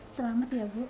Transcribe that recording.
selamat ya bu